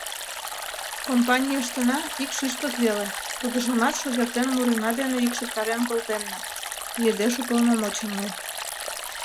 Компанийыштына ик шӱшпык веле, тудыжымат шогертен мурына дене йӱкшыктарен колтенна, — ӱэдеш уполномоченный.